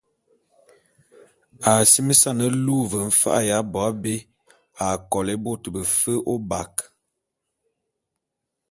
A asimesan e luu ve mfa’a y abo abé a kolé fe bôt befe ôbak.